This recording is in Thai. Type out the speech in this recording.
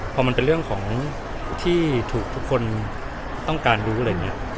พอมันเป็นเรื่องของที่ถูกทุกคนต้องการรู้อะไรอย่างนี้